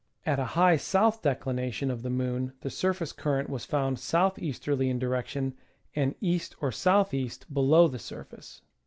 At a high south declination of the moon the surface current was found south easterly in direction, and east or south east below the sur face.